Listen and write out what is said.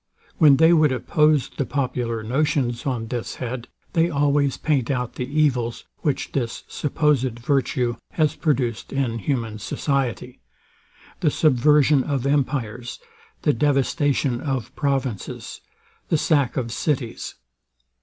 When they would oppose the popular notions on this head, they always paint out the evils, which this supposed virtue has produced in human society; the subversion of empires, the devastation of provinces, the sack of cities.